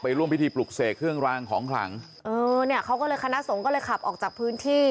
ร่วมพิธีปลุกเสกเครื่องรางของขลังเออเนี่ยเขาก็เลยคณะสงฆ์ก็เลยขับออกจากพื้นที่